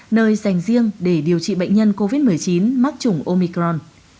nơi dành riêng để điều trị bệnh nhân covid một mươi chín mắc chủng omicron